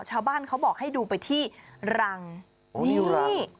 ชาวบ้านเขาบอกให้ดูไปที่รังนี่